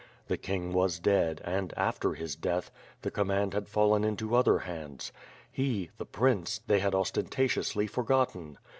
The king was dead and, after his death, the command had fallen into other hands. He, the prince, they had ostentatiously forgotten.